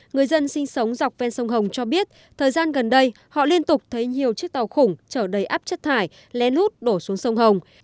người dân sinh sống dọc ven sông hồng cho biết thời gian gần đây họ liên tục thấy nhiều chiếc tàu khủng chở đầy áp chất thải lén lút đổ xuống sông hồng